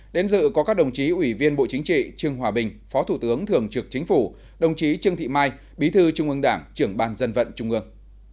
đến dự có các đồng chí ủy viên bộ chính trị trương hòa bình phó thủ tướng thường trực chính phủ đồng chí trương thị mai bí thư trung ương đảng trưởng ban dân vận trung ương